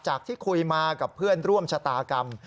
ที่คุยมากับเพื่อนร่วมชะตากรรม